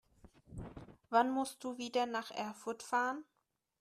Wann musst du wieder nach Erfurt fahren?